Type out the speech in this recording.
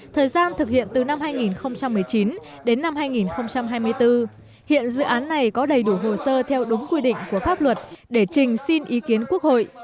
thời gian thực hiện từ năm hai nghìn một mươi chín đến năm hai nghìn hai mươi bốn hiện dự án này có đầy đủ hồ sơ theo đúng quy định của pháp luật để trình xin ý kiến quốc hội